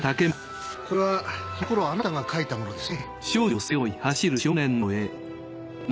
これはその頃あなたが描いたものですね。